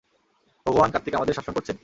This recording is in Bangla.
ভগবান কার্তিক আমাদের শাসন করছেন।